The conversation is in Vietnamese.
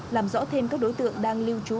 làm rõ thêm các đối tượng đang lưu trú